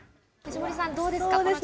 藤森さん、どうですか。